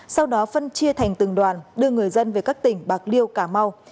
sau đó phân chia thành từng đoàn đưa người dân về các tỉnh bạc liêu cà mau